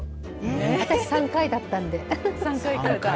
私、３回だったんで。